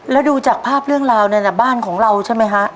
แล้วดูจากภาพเรื่องราวเนี่ยนะบ้านของเราใช่ไหมฮะ